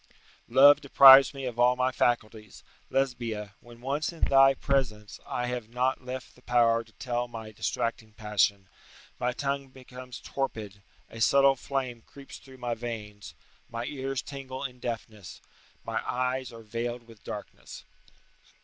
["Love deprives me of all my faculties: Lesbia, when once in thy presence, I have not left the power to tell my distracting passion: my tongue becomes torpid; a subtle flame creeps through my veins; my ears tingle in deafness; my eyes are veiled with darkness."